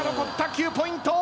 ９ポイント。